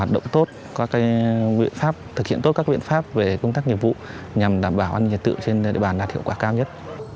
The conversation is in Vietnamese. động tốt thực hiện tốt các biện pháp về công tác nhiệm vụ nhằm đảm bảo an ninh trật tự trên địa bàn đạt hiệu quả cao nhất